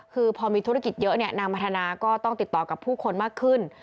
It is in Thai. คือพอมีธุรกิจเยอะเนี่ยนางพัฒนาก็ต้องติดต่อกับผู้คนมากขึ้น